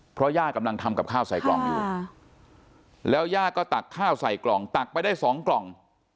เพราะย่ากำลังทำกับข้าวใส่กล่องอยู่แล้วย่าก็ตักข้าวใส่กล่องตักไปได้สองกล่อง